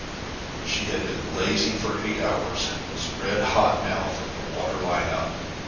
She had been blazing for eight hours, and was red hot now from the water line up.